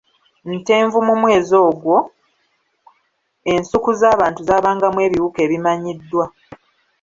Ntenvu mu mwezi ogwo, ensuku z'abantu zaabangamu ebiwuka ebimanyiddwa .